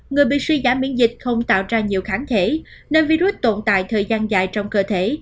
người bị suy giảm miễn dịch không tạo ra nhiều kháng thể nơi virus tồn tại thời gian dài trong cơ thể